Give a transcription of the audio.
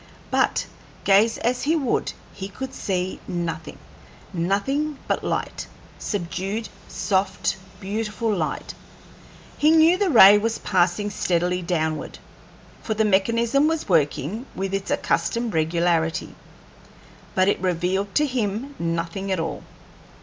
But, gaze as he would, he could see nothing nothing but light; subdued, soft, beautiful light. He knew the ray was passing steadily downward, for the mechanism was working with its accustomed regularity, but it revealed to him nothing at all.